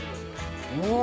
うわ！